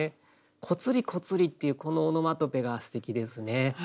「こつりこつり」っていうこのオノマトペがすてきですね。